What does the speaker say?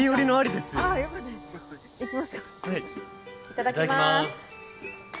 いただきます。